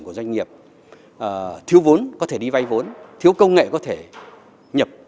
của doanh nghiệp thiếu vốn có thể đi vay vốn thiếu công nghệ có thể nhập